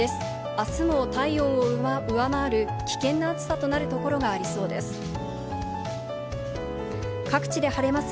明日も体温を上回る危険な暑さとなるところがありです。